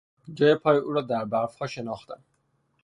جای پای او را در برفها شناختم.